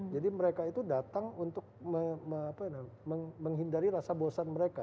jadi mereka itu datang untuk menghindari rasa bosan mereka